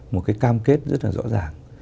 một cái cam kết rất là rõ ràng